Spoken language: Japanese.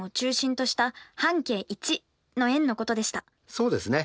そうですね。